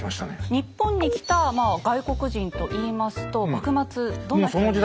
日本に来た外国人といいますと幕末どんな人の印象ですか？